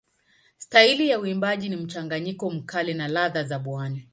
Staili ya uimbaji ni mchanganyiko mkali na ladha za pwani.